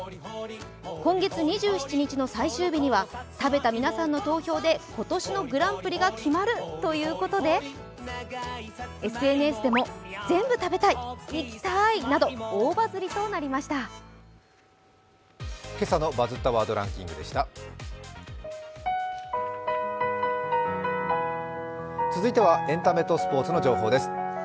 今月２７日の最終日には食べた皆さんの投票で今年のグランプリが決まるということで続いては、エンタメとスポーツの情報です。